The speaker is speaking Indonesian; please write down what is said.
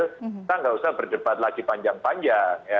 kita nggak usah berdebat lagi panjang panjang